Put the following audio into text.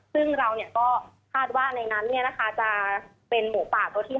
ซึ่งเราก็คาดว่าในนั้นจะเป็นหมูป่าตัวที่๕